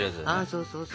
そうそうそう。